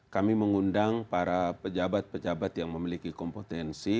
kami mengundang para pejabat pejabat yang memiliki kompetensi